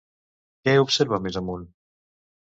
Què observa més amunt?